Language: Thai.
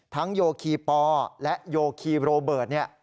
ทั้งโยคีปอร์และโยคีโรเบิร์ตนี่